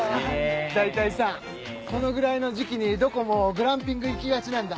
大体さこのぐらいの時期にどこもグランピング行きがちなんだ。